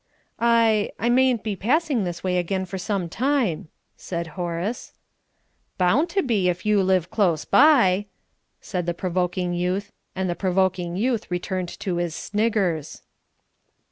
"I I mayn't be passing this way again for some time," said Horace. "Bound to be, if you live close by," and the provoking youth returned to his "Sniggers."